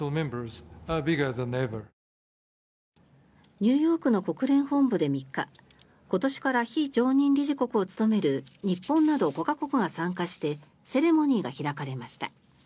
ニューヨークの国連本部で３日今年から非常任理事国を務める日本など５か国が参加してセレモニーが開かれました。